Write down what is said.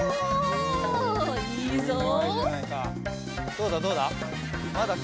どうだどうだ？